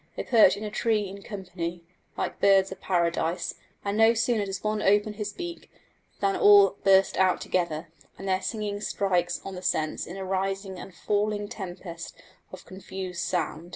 They perch in a tree in company, like birds of paradise, and no sooner does one open his beak than all burst out together, and their singing strikes on the sense in a rising and falling tempest of confused sound.